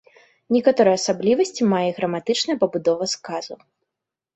Некаторыя асаблівасці мае і граматычная пабудова сказаў.